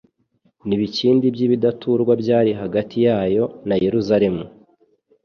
n'ibikindi by'ikidaturwa byari hagati yayo na Yerusalemu'.